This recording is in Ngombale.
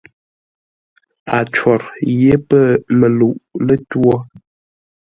A cwor yé pə̂ məluʼ lətwǒ.